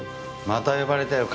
また呼ばれたよ